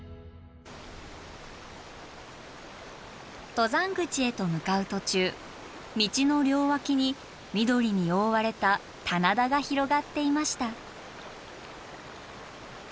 登山口へと向かう途中道の両脇に緑に覆われた棚田が広がっていました。